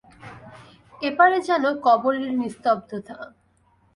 এপারে যেন কবরের নিস্তব্ধতা।